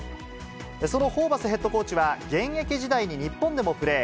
そのホーバスヘッドコーチは、現役時代に日本でもプレー。